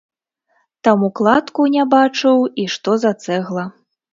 Таму кладку не бачыў і што за цэгла.